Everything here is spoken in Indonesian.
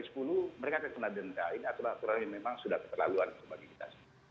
ini aturan yang memang sudah keperlaluan bagi kita